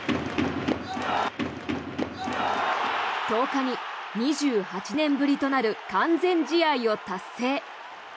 １０日に２８年ぶりとなる完全試合を達成。